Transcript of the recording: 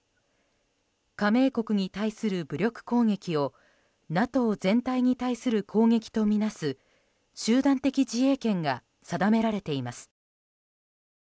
加盟国に対する武力攻撃をＮＡＴＯ全体に対する攻撃とみなす集団的自衛権が定められています。